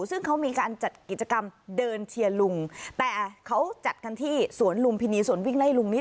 ซึ่งเขามีการจัดกิจกรรมเดินเชียร์ลุงแต่เขาจัดกันที่สวนลุมพินีสวนวิ่งไล่ลุงนิด